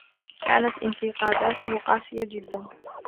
كانت انتقاداته قاسية جدا